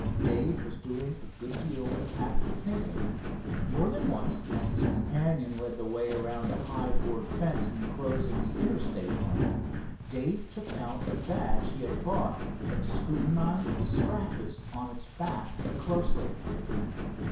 Dave was doing a good deal of active thinking. More than once, as his companion led way around the high board fence enclosing the Interstate plant, Dave took out the badge he had bought and scrutinized the scratches on its back closely.